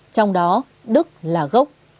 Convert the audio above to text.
trong đó đức là gốc